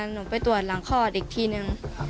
หนูไปตรวจหลังคลอดอีกทีนึง